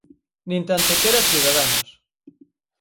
¡Nin tan sequera Ciudadanos!